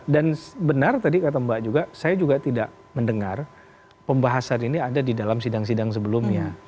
dan benar tadi kata mbak juga saya juga tidak mendengar pembahasan ini ada di dalam sidang sidang sebelumnya